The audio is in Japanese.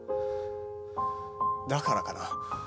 だからかな？